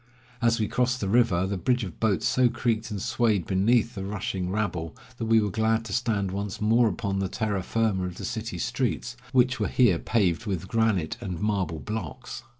As we crossed the river, the bridge of boats so creaked and swayed beneath the rushing rabble, that we were glad to stand once more upon the terra firma of the city streets, which were here paved with granite and marble blocks.